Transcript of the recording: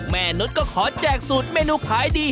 มนุษย์ก็ขอแจกสูตรเมนูขายดี